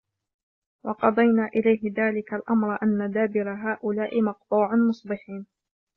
وَقَضَيْنَا إِلَيْهِ ذَلِكَ الْأَمْرَ أَنَّ دَابِرَ هَؤُلَاءِ مَقْطُوعٌ مُصْبِحِينَ